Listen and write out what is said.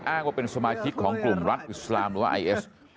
อ้างว่าเป็นสมาชิกของกลุ่มรัฐอิสลามหรือว่าไอเอส